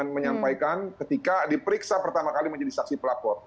menyampaikan ketika diperiksa pertama kali menjadi saksi pelapor